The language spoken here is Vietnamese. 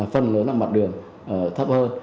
phần lớn là mặt đường thấp hơn